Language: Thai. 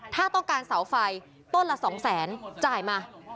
ถ้าต้องการเสาไฟต้นละ๒แสนจ่ายมา